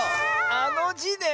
あの「じ」ね。